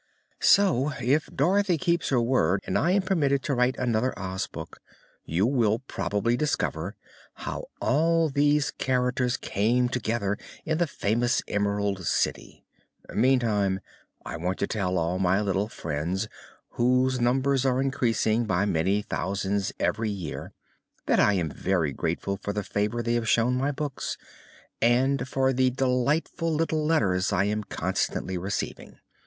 So, if Dorothy keeps her word and I am permitted to write another Oz book, you will probably discover how all these characters came together in the famous Emerald City. Meantime, I want to tell all my little friends whose numbers are increasing by many thousands every year that I am very grateful for the favor they have shown my books and for the delightful little letters I am constantly receiving.